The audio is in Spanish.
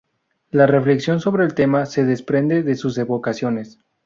La reflexión sobre el tema se desprende de sus evocaciones.